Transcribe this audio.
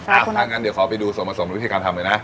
ถ้างั้นเดี๋ยวขอไปดูส่วนผสมวิธีการทำเลยนะ